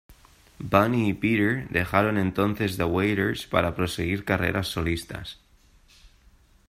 Bunny y Peter dejaron entonces The Wailers para proseguir carreras solistas.